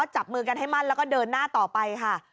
จับมือกันให้มั่นแล้วก็เดินหน้าต่อไปค่ะ